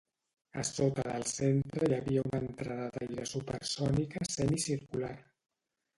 A sota del centre hi havia una entrada d'aire supersònica semicircular.